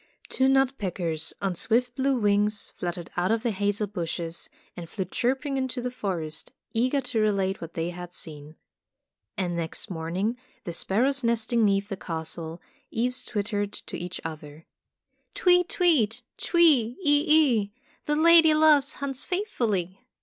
Two nutpeckers, on swift blue wings, Tales of Modern Germany 14 1 fluttered out of the hazel bushes and flew chirping into the forest, eager to relate what they had seen. And next morning the sparrows nesting 'neath the castle eaves twittered to each other: "Tweet, tweet, twee ee ee. The lady loves Hans faithfully."